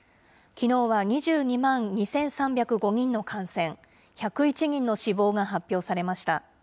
きのうは２２万２３０５人の感染、１０１人の死亡が発表されました。